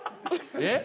えっ？